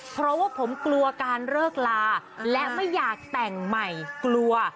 เพราะว่าผมกลัวการเลิกลาและไม่อยากแต่งใหม่กลัว